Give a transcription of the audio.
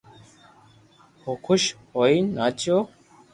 خوݾ ھئين ناچيو